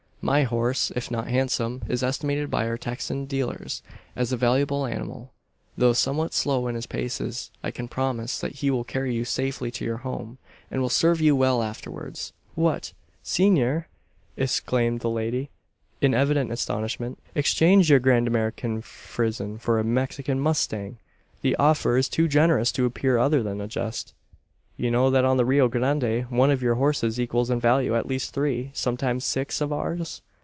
My horse, if not handsome, is estimated by our Texan dealers as a valuable animal. Though somewhat slow in his paces, I can promise that he will carry you safely to your home, and will serve you well afterwards." "What, senor!" exclaimed the lady, in evident astonishment, "exchange your grand American frison for a Mexican mustang! The offer is too generous to appear other than a jest. You know that on the Rio Grande one of your horses equals in value at least three, sometimes six, of ours?"